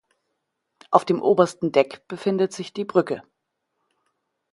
Auf dem obersten Deck befindet sich die Brücke.